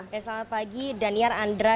selamat pagi daniar andra